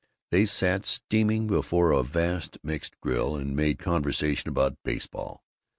They sat steaming before a vast mixed grill, and made conversation about baseball.